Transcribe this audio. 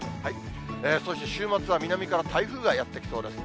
そして週末は、南から台風がやって来そうです。